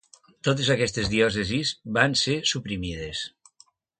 Totes aquestes diòcesis van ser suprimides.